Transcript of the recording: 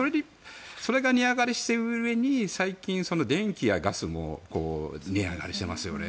それが値上がりしているうえに最近、電気やガスも値上がりしていますよね。